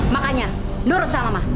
makanya nurut sama mama